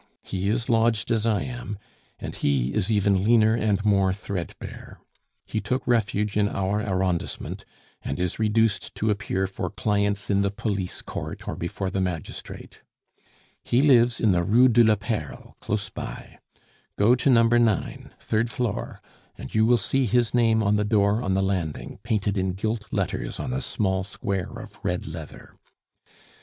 He is lodged as I am, and he is even leaner and more threadbare. He took refuge in our arrondissement, and is reduced to appear for clients in the police court or before the magistrate. He lives in the Rue de la Perle close by. Go to No. 9, third floor, and you will see his name on the door on the landing, painted in gilt letters on a small square of red leather.